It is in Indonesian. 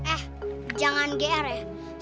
eh jangan ger ya